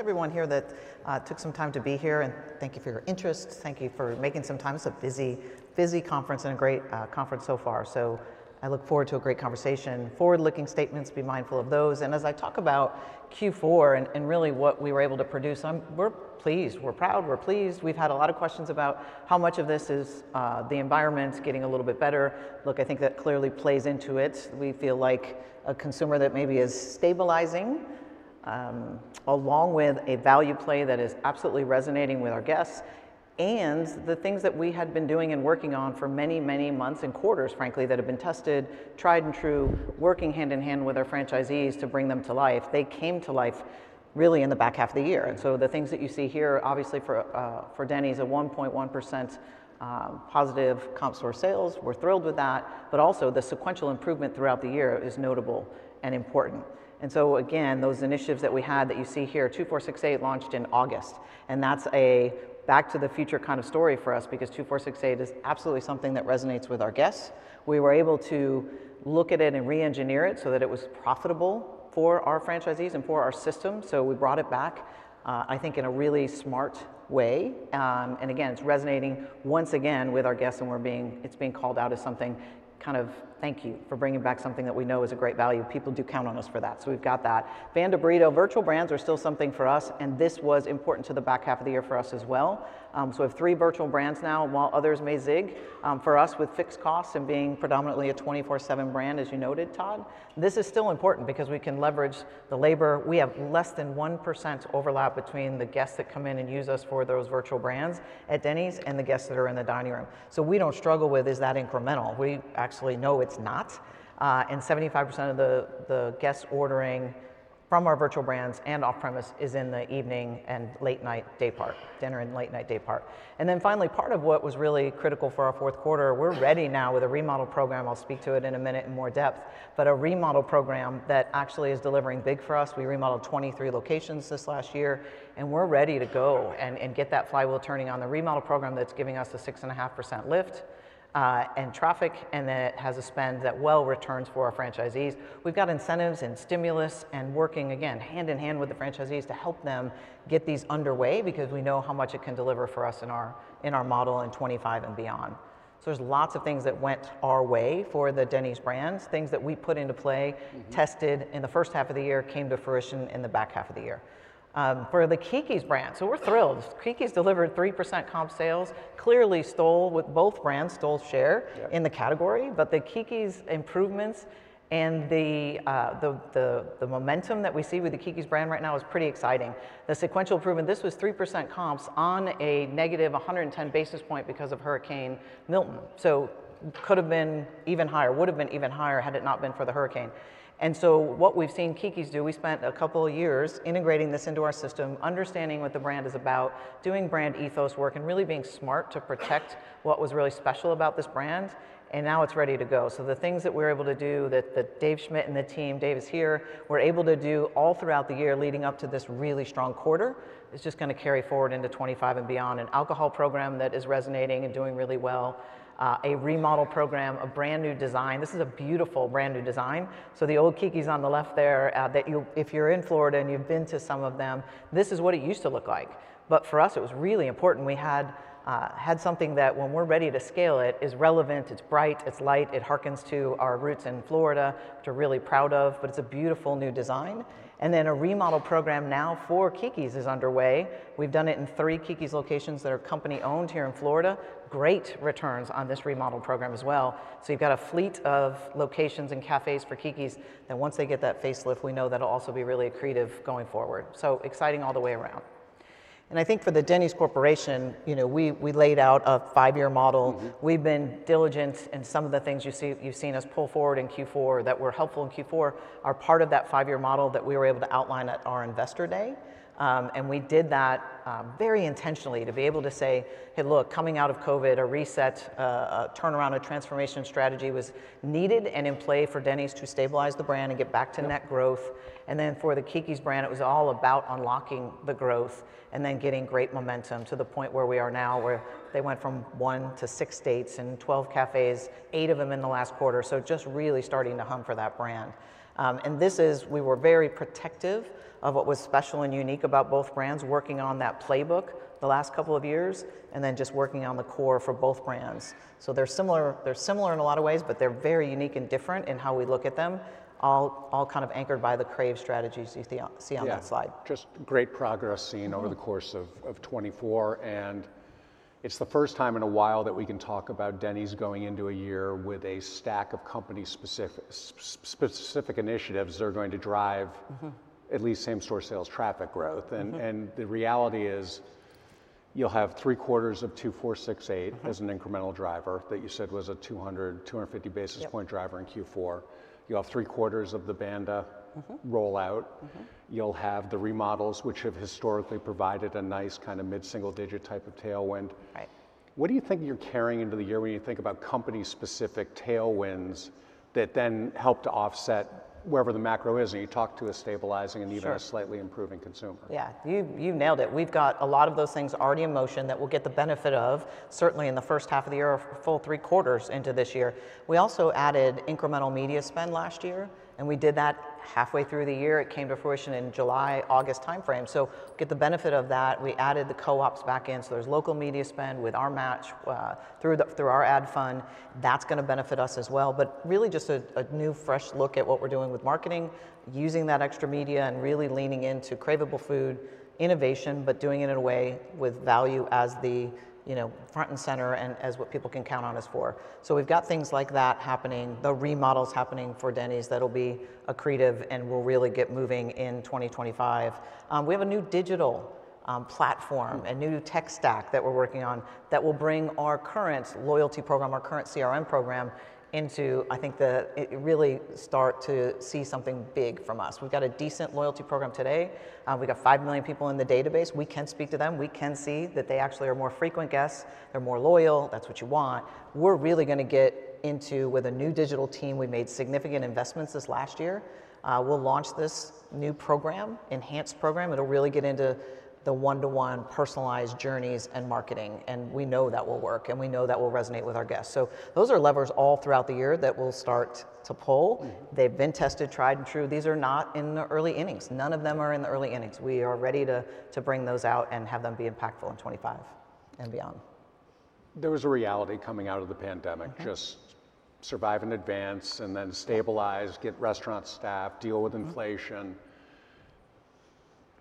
Everyone here that took some time to be here, and thank you for your interest. Thank you for making some time. It's a busy, busy conference and a great conference so far. So I look forward to a great conversation. Forward-looking statements, be mindful of those. And as I talk about Q4 and really what we were able to produce, we're pleased. We're proud. We're pleased. We've had a lot of questions about how much of this is the environment getting a little bit better. Look, I think that clearly plays into it. We feel like a consumer that maybe is stabilizing, along with a value play that is absolutely resonating with our guests. And the things that we had been doing and working on for many, many months and quarters, frankly, that have been tested, tried and true, working hand in hand with our franchisees to bring them to life, they came to life really in the back half of the year. And so the things that you see here, obviously for Denny's, a 1.1% positive comp sales, we're thrilled with that. But also the sequential improvement throughout the year is notable and important. And so again, those initiatives that we had that you see here, $2 $4 $6 $8 launched in August. And that's a back to the future kind of story for us because $2 $4 $6 $8 is absolutely something that resonates with our guests. We were able to look at it and re-engineer it so that it was profitable for our franchisees and for our system. So we brought it back, I think, in a really smart way. And again, it's resonating once again with our guests and it's being called out as something kind of thank you for bringing back something that we know is a great value. People do count on us for that. So we've got that. Banda Burrito, virtual brands are still something for us, and this was important to the back half of the year for us as well. So we have three virtual brands now, while others may zig. For us, with fixed costs and being predominantly a 24/7 brand, as you noted, Todd, this is still important because we can leverage the labor. We have less than 1% overlap between the guests that come in and use us for those virtual brands at Denny's and the guests that are in the dining room. So we don't struggle with is that incremental. We actually know it's not. And 75% of the guests ordering from our virtual brands and off-premise is in the evening and late-night day part, dinner and late-night day part. And then finally, part of what was really critical for our fourth quarter, we're ready now with a remodel program. I'll speak to it in a minute in more depth, but a remodel program that actually is delivering big for us. We remodeled 23 locations this last year, and we're ready to go and get that flywheel turning on the remodel program that's giving us a 6.5% lift and traffic, and that has a spend that well returns for our franchisees. We've got incentives and stimulus and working again hand in hand with the franchisees to help them get these underway because we know how much it can deliver for us in our model in 2025 and beyond, so there's lots of things that went our way for the Denny's brands, things that we put into play, tested in the first half of the year, came to fruition in the back half of the year. For the Keke's brand, so we're thrilled. Keke's delivered 3% comp sales, clearly stole with both brands, stole share in the category, but the Keke's improvements and the momentum that we see with the Keke's brand right now is pretty exciting. The sequential improvement, this was 3% comps on a negative 110 basis point because of Hurricane Milton, so could have been even higher, would have been even higher had it not been for the hurricane. And so what we've seen Keke's do, we spent a couple of years integrating this into our system, understanding what the brand is about, doing brand ethos work, and really being smart to protect what was really special about this brand. And now it's ready to go. So the things that we're able to do that Dave Schmidt and the team, Dave is here, we're able to do all throughout the year leading up to this really strong quarter is just going to carry forward into 2025 and beyond. An alcohol program that is resonating and doing really well, a remodel program, a brand new design. This is a beautiful brand new design. So the old Keke's on the left there that if you're in Florida and you've been to some of them, this is what it used to look like. But for us, it was really important. We had something that when we're ready to scale it is relevant. It's bright. It's light. It harkens to our roots in Florida. We're really proud of it, but it's a beautiful new design. And then a remodel program now for Keke's is underway. We've done it in three Keke's locations that are company-owned here in Florida. Great returns on this remodel program as well. So you've got a fleet of locations and cafes for Keke's that once they get that facelift, we know that'll also be really accretive going forward. So exciting all the way around. And I think for the Denny's Corporation, we laid out a five-year model. We've been diligent in some of the things you've seen us pull forward in Q4 that were helpful in Q4 are part of that five-year model that we were able to outline at our Investor Day. And we did that very intentionally to be able to say, "Hey, look, coming out of COVID, a reset, a turnaround, a transformation strategy was needed and in play for Denny's to stabilize the brand and get back to net growth." And then for the Keke's brand, it was all about unlocking the growth and then getting great momentum to the point where we are now where they went from one to six states and 12 cafes, eight of them in the last quarter. So just really starting to hum for that brand. And this is, we were very protective of what was special and unique about both brands, working on that playbook the last couple of years and then just working on the core for both brands. So they're similar in a lot of ways, but they're very unique and different in how we look at them, all kind of anchored by the crave strategies you see on that slide. Yeah, just great progress seen over the course of 2024. It's the first time in a while that we can talk about Denny's going into a year with a stack of company-specific initiatives that are going to drive at least same-store sales traffic growth. The reality is you'll have three quarters of $2 $4 $6 $8 as an incremental driver that you said was a 200-250 basis points driver in Q4. You'll have three quarters of the Banda rollout. You'll have the remodels, which have historically provided a nice kind of mid-single digit type of tailwind. What do you think you're carrying into the year when you think about company-specific tailwinds that then helped to offset wherever the macro is and you talk to a stabilizing and even a slightly improving consumer? Yeah, you've nailed it. We've got a lot of those things already in motion that we'll get the benefit of certainly in the first half of the year, full three quarters into this year. We also added incremental media spend last year, and we did that halfway through the year. It came to fruition in July, August timeframe. So get the benefit of that. We added the co-ops back in. So there's local media spend with our match through our ad fund. That's going to benefit us as well. But really just a new fresh look at what we're doing with marketing, using that extra media and really leaning into craveable food, innovation, but doing it in a way with value as the front and center and as what people can count on us for. We've got things like that happening, the remodels happening for Denny's that'll be accretive and will really get moving in 2025. We have a new digital platform, a new tech stack that we're working on that will bring our current loyalty program, our current CRM program into, I think, the really start to see something big from us. We've got a decent loyalty program today. We got 5 million people in the database. We can speak to them. We can see that they actually are more frequent guests. They're more loyal. That's what you want. We're really going to get into with a new digital team. We made significant investments this last year. We'll launch this new program, enhanced program. It'll really get into the one-to-one personalized journeys and marketing. We know that will work. We know that will resonate with our guests. So those are levers all throughout the year that we'll start to pull. They've been tested, tried and true. These are not in the early innings. None of them are in the early innings. We are ready to bring those out and have them be impactful in 2025 and beyond. There was a reality coming out of the pandemic, just survive in advance and then stabilize, get restaurant staff, deal with inflation.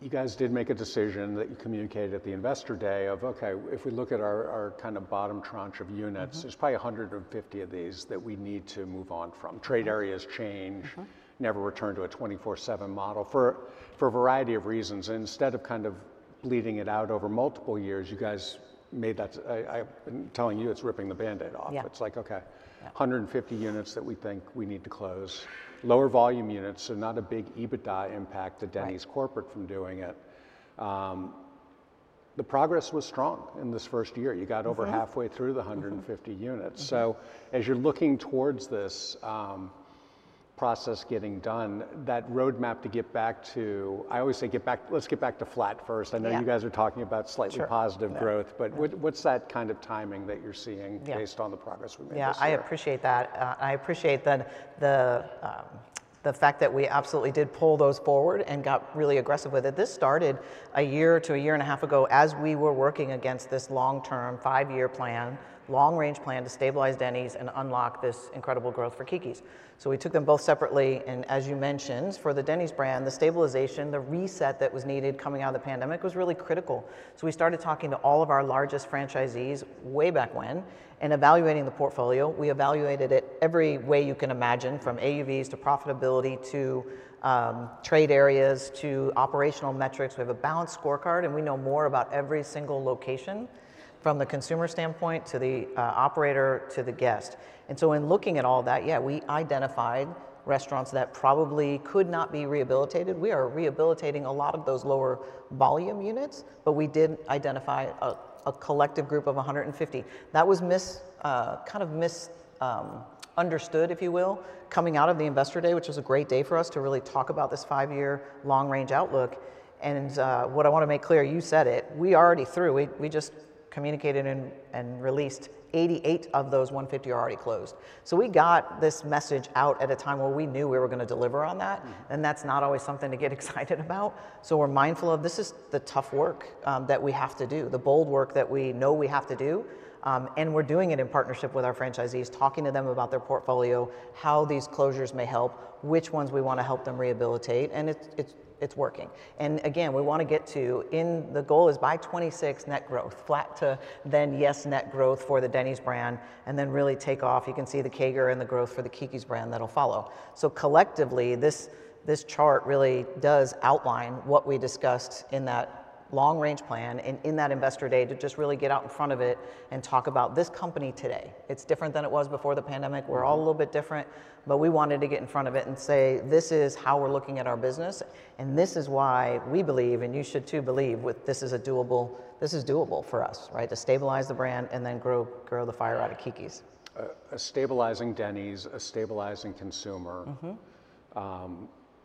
You guys did make a decision that you communicated at the investor day of, "Okay, if we look at our kind of bottom tranche of units, there's probably 150 of these that we need to move on from." Trade areas change, never return to a 24/7 model for a variety of reasons. Instead of kind of bleeding it out over multiple years, you guys made that, I've been telling you it's ripping the Band-Aid off. It's like, "Okay, 150 units that we think we need to close." Lower volume units, so not a big EBITDA impact to Denny's corporate from doing it. The progress was strong in this first year. You got over halfway through the 150 units. So as you're looking towards this process getting done, that roadmap to get back to, I always say get back, let's get back to flat first. I know you guys are talking about slightly positive growth, but what's that kind of timing that you're seeing based on the progress we made this year? Yeah, I appreciate that. I appreciate the fact that we absolutely did pull those forward and got really aggressive with it. This started a year to a year and a half ago as we were working against this long-term five-year plan, long-range plan to stabilize Denny's and unlock this incredible growth for Keke's. So we took them both separately, and as you mentioned, for the Denny's brand, the stabilization, the reset that was needed coming out of the pandemic was really critical, so we started talking to all of our largest franchisees way back when and evaluating the portfolio. We evaluated it every way you can imagine, from AUVs to profitability to trade areas to operational metrics. We have a balanced scorecard, and we know more about every single location from the consumer standpoint to the operator to the guest. And so, in looking at all that, yeah, we identified restaurants that probably could not be rehabilitated. We are rehabilitating a lot of those lower volume units, but we did identify a collective group of 150. That was kind of misunderstood, if you will, coming out of the investor day, which was a great day for us to really talk about this five-year long-range outlook. And what I want to make clear, you said it. We're already through. We just communicated and released 88 of those 150 are already closed. So we got this message out at a time where we knew we were going to deliver on that. And that's not always something to get excited about. So we're mindful. This is the tough work that we have to do, the bold work that we know we have to do. And we're doing it in partnership with our franchisees, talking to them about their portfolio, how these closures may help, which ones we want to help them rehabilitate. And it's working. And again, we want to get to, in the goal is by 2026 net growth, flat to then yes, net growth for the Denny's brand, and then really take off. You can see the Keke's and the growth for the Keke's brand that'll follow. So collectively, this chart really does outline what we discussed in that long-range plan and in that investor day to just really get out in front of it and talk about this company today. It's different than it was before the pandemic. We're all a little bit different, but we wanted to get in front of it and say, "This is how we're looking at our business. This is why we believe, and you should too believe with this is a doable, this is doable for us, right? To stabilize the brand and then grow the flywheel out of Keke's. A stabilizing Denny's, a stabilizing consumer.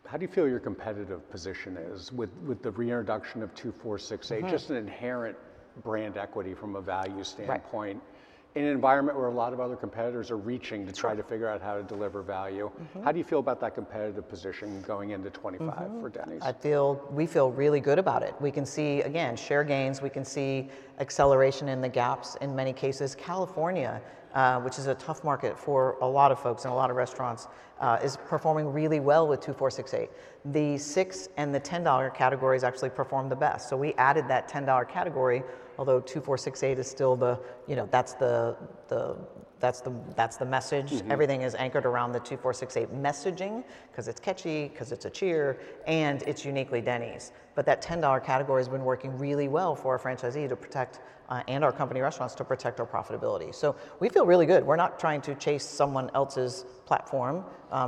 How do you feel your competitive position is with the reintroduction of 2468? There is inherent brand equity from a value standpoint in an environment where many competitors are trying to determine how to deliver value. How do you feel about that competitive position going into 2025 for Denny's? We feel really good about it. We can see, again, share gains. We can see acceleration in the gaps in many cases. California, which is a tough market for a lot of folks and a lot of restaurants, is performing really well with 2468. The six and the $10 categories actually performed the best, so we added that $10 category, although 2468 is still the, you know, that's the message. Everything is anchored around the 2468 messaging because it's catchy, because it's a cheer, and it's uniquely Denny's, but that $10 category has been working really well for our franchisee to protect and our company restaurants to protect our profitability. So we feel really good, we're not trying to chase someone else's platform.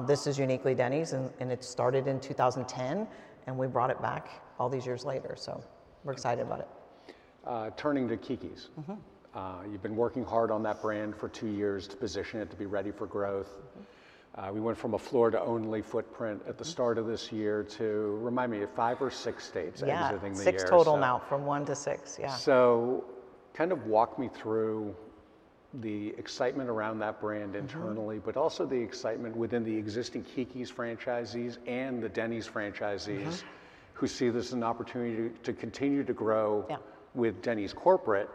This is uniquely Denny's, and it started in 2010, and we brought it back all these years later, so we're excited about it. Turning to Keke's. You've been working hard on that brand for two years to position it to be ready for growth. We went from a Florida-only footprint at the start of this year to remind me of five or six states that everything may have been. Yeah, six total now from one to six. Yeah. So kind of walk me through the excitement around that brand internally, but also the excitement within the existing Keke's franchisees and the Denny's franchisees who see this as an opportunity to continue to grow with Denny's corporate,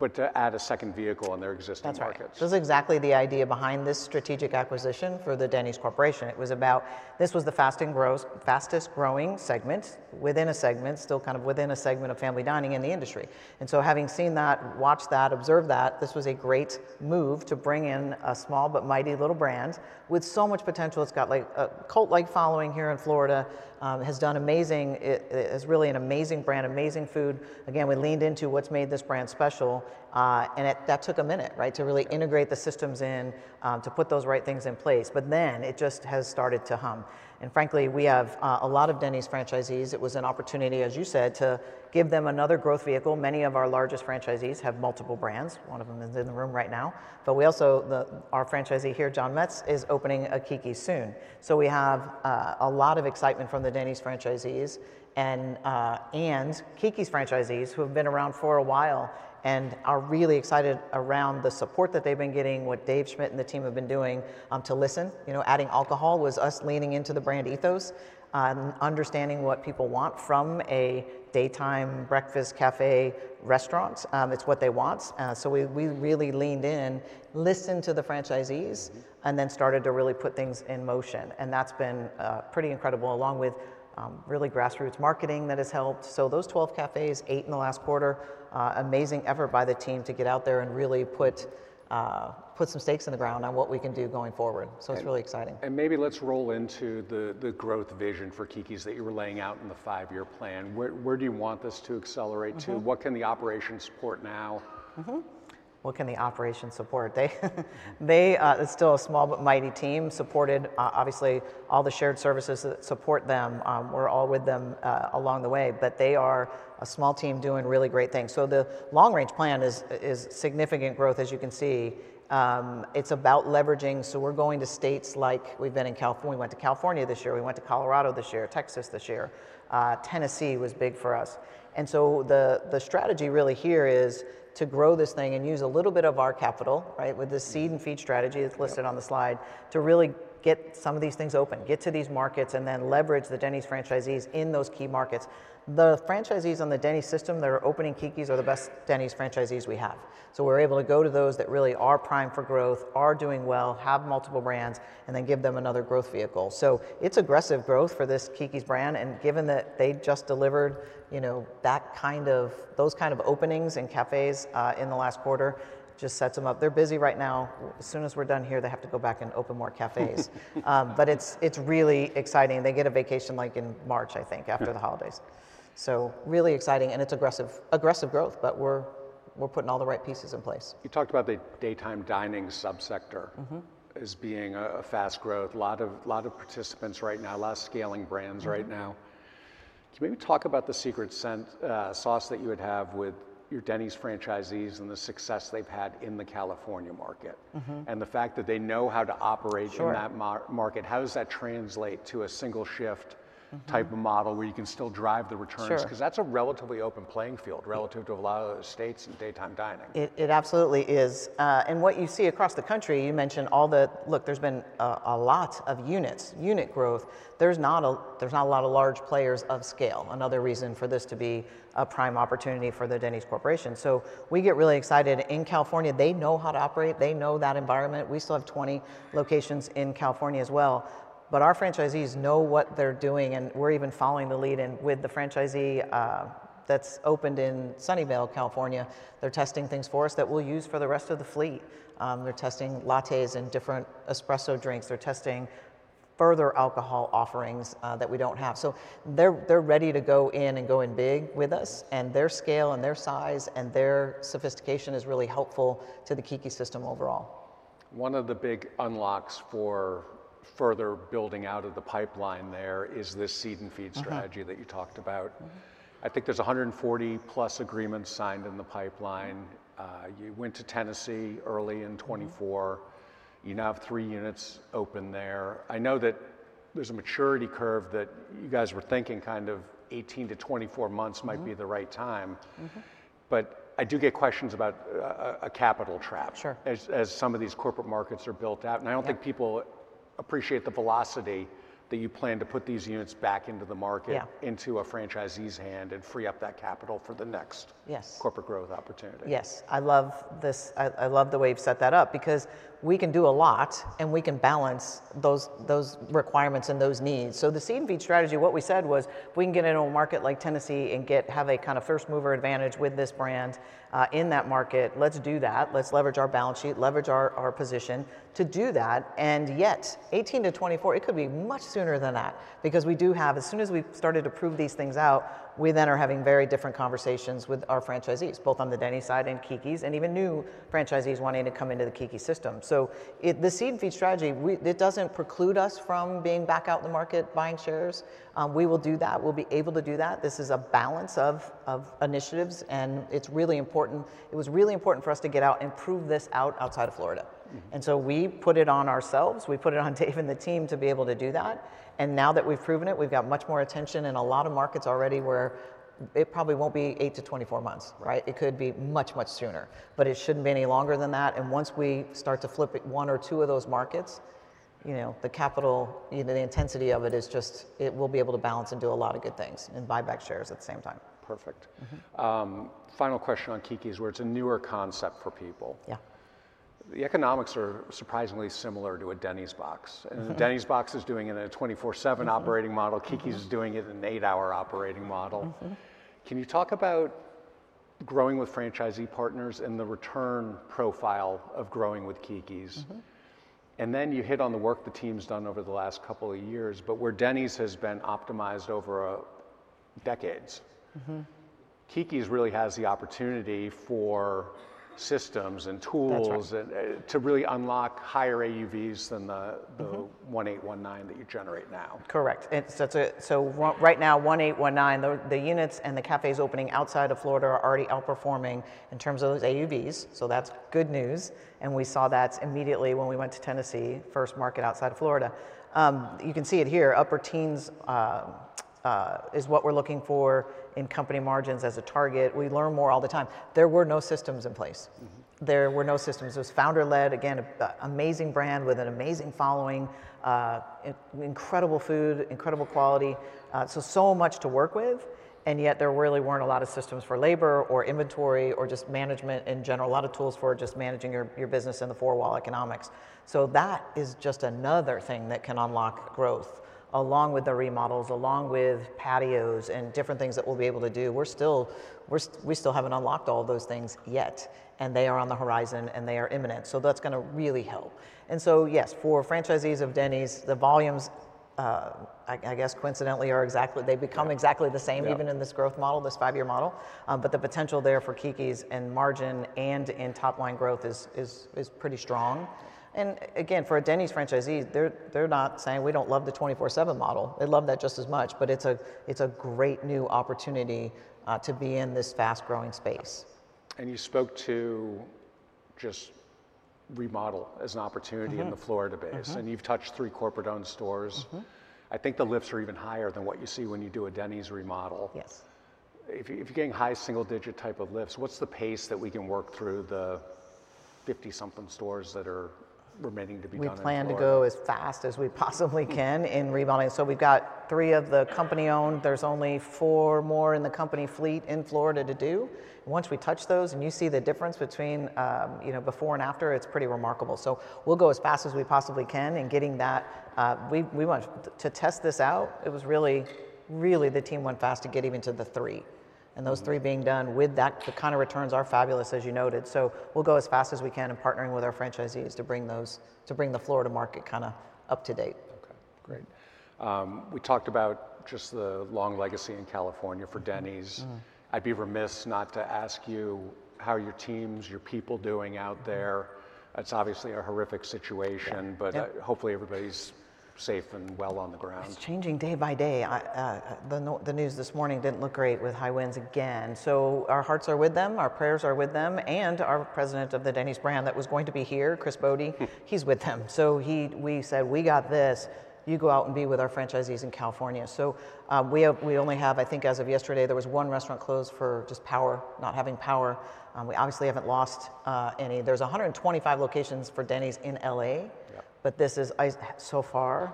but to add a second vehicle in their existing markets. That's right. That's exactly the idea behind this strategic acquisition for the Denny's Corporation. It was about this. This was the fastest growing segment within a segment, still kind of within a segment of family dining in the industry. So having seen that, watched that, observed that, this was a great move to bring in a small but mighty little brand with so much potential. It's got like a cult-like following here in Florida, has done amazing, is really an amazing brand, amazing food. Again, we leaned into what's made this brand special. That took a minute, right, to really integrate the systems in, to put those right things in place. Then it just has started to hum. Frankly, we have a lot of Denny's franchisees. It was an opportunity, as you said, to give them another growth vehicle. Many of our largest franchisees have multiple brands. One of them is in the room right now, but we also, our franchisee here, John Metz, is opening a Keke's soon, so we have a lot of excitement from the Denny's franchisees and Keke's franchisees who have been around for a while and are really excited around the support that they've been getting, what Dave Schmidt and the team have been doing to listen. Adding alcohol was us leaning into the brand ethos and understanding what people want from a daytime breakfast cafe restaurant. It's what they want, so we really leaned in, listened to the franchisees, and then started to really put things in motion, and that's been pretty incredible, along with really grassroots marketing that has helped. So those 12 cafes, eight in the last quarter, amazing effort by the team to get out there and really put some stakes in the ground on what we can do going forward. So it's really exciting. And maybe let's roll into the growth vision for Keke's that you were laying out in the five-year plan. Where do you want this to accelerate to? What can the operations support now? What can the operations support? They are still a small but mighty team, supported obviously all the shared services that support them. We're all with them along the way, but they are a small team doing really great things. So the long-range plan is significant growth, as you can see. It's about leveraging. So we're going to states like we've been in California. We went to California this year. We went to Colorado this year, Texas this year. Tennessee was big for us. And so the strategy really here is to grow this thing and use a little bit of our capital, right, with the seed and feed strategy that's listed on the slide to really get some of these things open, get to these markets, and then leverage the Denny's franchisees in those key markets. The franchisees on the Denny's system that are opening Keke's are the best Denny's franchisees we have. So we're able to go to those that really are primed for growth, are doing well, have multiple brands, and then give them another growth vehicle. So it's aggressive growth for this Keke's brand. And given that they just delivered that kind of openings and cafes in the last quarter just sets them up. They're busy right now. As soon as we're done here, they have to go back and open more cafes. But it's really exciting. They get a vacation like in March, I think, after the holidays. So really exciting. And it's aggressive growth, but we're putting all the right pieces in place. You talked about the daytime dining subsector as being a fast growth. A lot of participants right now, a lot of scaling brands right now. Can you maybe talk about the secret sauce that you would have with your Denny's franchisees and the success they've had in the California market and the fact that they know how to operate in that market? How does that translate to a single shift type of model where you can still drive the returns? Because that's a relatively open playing field relative to a lot of the states and daytime dining. It absolutely is, and what you see across the country, you mentioned all the, look, there's been a lot of units, unit growth. There's not a lot of large players of scale, another reason for this to be a prime opportunity for the Denny's Corporation, so we get really excited in California. They know how to operate. They know that environment. We still have 20 locations in California as well, but our franchisees know what they're doing, and we're even following the lead in with the franchisee that's opened in Sunnyvale, California. They're testing things for us that we'll use for the rest of the fleet. They're testing lattes and different espresso drinks. They're testing further alcohol offerings that we don't have, so they're ready to go in and go in big with us. Their scale and their size and their sophistication is really helpful to the Keke's system overall. One of the big unlocks for further building out of the pipeline there is this seed and feed strategy that you talked about. I think there's 140 plus agreements signed in the pipeline. You went to Tennessee early in 2024. You now have three units open there. I know that there's a maturity curve that you guys were thinking kind of 18 to 24 months might be the right time, but I do get questions about a capital trap as some of these corporate markets are built out, and I don't think people appreciate the velocity that you plan to put these units back into the market, into a franchisee's hand and free up that capital for the next corporate growth opportunity. Yes. I love this. I love the way you've set that up because we can do a lot and we can balance those requirements and those needs. So the seed and feed strategy, what we said was if we can get into a market like Tennessee and have a kind of first mover advantage with this brand in that market, let's do that. Let's leverage our balance sheet, leverage our position to do that. And yet, 18-24, it could be much sooner than that because we do have, as soon as we started to prove these things out, we then are having very different conversations with our franchisees, both on the Denny's side and Keke's, and even new franchisees wanting to come into the Keke system. So the seed and feed strategy, it doesn't preclude us from being back out in the market buying shares. We will do that. We'll be able to do that. This is a balance of initiatives, and it's really important. It was really important for us to get out and prove this out outside of Florida, and so we put it on ourselves. We put it on Dave and the team to be able to do that, and now that we've proven it, we've got much more attention in a lot of markets already where it probably won't be eight to 24 months, right? It could be much, much sooner, but it shouldn't be any longer than that, and once we start to flip one or two of those markets, you know, the capital, the intensity of it is just, it will be able to balance and do a lot of good things and buy back shares at the same time. Perfect. Final question on Keke's where it's a newer concept for people. Yeah, the economics are surprisingly similar to a Denny's box. And the Denny's box is doing it in a 24/7 operating model. Keke's is doing it in an eight-hour operating model. Can you talk about growing with franchisee partners and the return profile of growing with Keke's? And then you hit on the work the team's done over the last couple of years, but where Denny's has been optimized over decades, Keke's really has the opportunity for systems and tools to really unlock higher AUVs than the 1819 that you generate now. Correct. And so right now, 18-19, the units and the cafes opening outside of Florida are already outperforming in terms of those AUVs. So that's good news. And we saw that immediately when we went to Tennessee, first market outside of Florida. You can see it here. Upper teens is what we're looking for in company margins as a target. We learn more all the time. There were no systems in place. There were no systems. It was founder-led, again, amazing brand with an amazing following, incredible food, incredible quality. So, so much to work with. And yet there really weren't a lot of systems for labor or inventory or just management in general, a lot of tools for just managing your business in the four-wall economics. So that is just another thing that can unlock growth along with the remodels, along with patios and different things that we'll be able to do. We still haven't unlocked all those things yet. And they are on the horizon and they are imminent. So that's going to really help. And so yes, for franchisees of Denny's, the volumes, I guess coincidentally are exactly, they become exactly the same even in this growth model, this five-year model. But the potential there for Keke's and margin and in top-line growth is pretty strong. And again, for a Denny's franchisee, they're not saying we don't love the 24/7 model. They love that just as much, but it's a great new opportunity to be in this fast-growing space. You spoke to just remodel as an opportunity in the Florida base. You've touched three corporate-owned stores. I think the lifts are even higher than what you see when you do a Denny's remodel. Yes. If you're getting high single-digit type of lifts, what's the pace that we can work through the 50-something stores that are remaining to be done? We plan to go as fast as we possibly can in remodeling. So we've got three of the company-owned. There's only four more in the company fleet in Florida to do. Once we touch those and you see the difference between before and after, it's pretty remarkable. So we'll go as fast as we possibly can in getting that. We want to test this out. It was really, really the team went fast to get even to the three. And those three being done with that, the kind of returns are fabulous, as you noted. So we'll go as fast as we can in partnering with our franchisees to bring the Florida market kind of up to date. Okay, great. We talked about just the long legacy in California for Denny's. I'd be remiss not to ask you how your team's, your people doing out there? It's obviously a horrific situation, but hopefully everybody's safe and well on the ground. It's changing day by day. The news this morning didn't look great with high winds again. So our hearts are with them. Our prayers are with them, and our President of the Denny's brand that was going to be here, Chris Bode, he's with them. So we said, we got this. You go out and be with our franchisees in California. So we only have, I think as of yesterday, there was one restaurant closed for just power, not having power. We obviously haven't lost any. There's 125 locations for Denny's in LA, but this is so far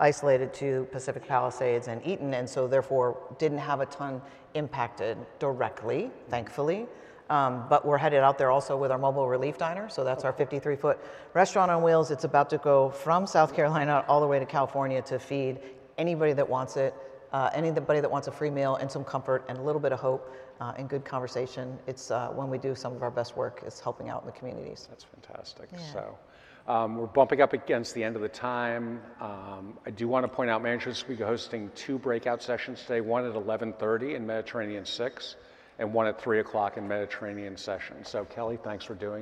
isolated to Pacific Palisades and Eaton. And so therefore didn't have a ton impacted directly, thankfully. But we're headed out there also with our Mobile Relief Diner. So that's our 53-foot restaurant on wheels. It's about to go from South Carolina all the way to California to feed anybody that wants it, anybody that wants a free meal and some comfort and a little bit of hope and good conversation. It's when we do some of our best work is helping out in the communities. That's fantastic. So we're bumping up against the end of the time. I do want to point out, mention, we're hosting two breakout sessions today, one at 11:30 A.M. in Mediterranean Six and one at 3:00 P.M. in Mediterranean Seven. So Kelli, thanks for doing.